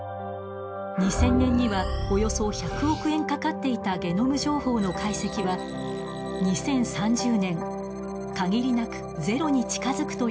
２０００年にはおよそ１００億円かかっていたゲノム情報の解析は２０３０年限りなくゼロに近づくという試算もあります。